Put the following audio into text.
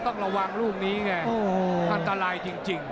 ต้องระวังรูปนี้เนี่ยอันตรายจริง